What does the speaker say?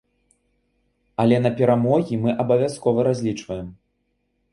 Але на перамогі мы абавязкова разлічваем!